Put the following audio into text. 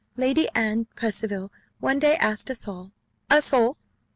Lady Anne Percival one day asked us all " "Us all?"